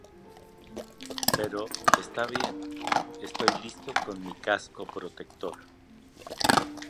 Pero está bien, estoy listo con mi casco protector.